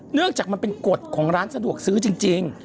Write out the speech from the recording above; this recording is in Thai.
เนื่องจากมันเป็นกฎของร้านสะดวกซื้อจริง